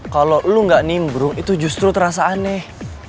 kalo lo gak nimbrung itu justru terasa aneh